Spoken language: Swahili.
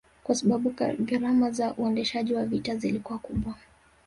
kwasababu gharama za uendeshaji wa vita zilikuwa kubwa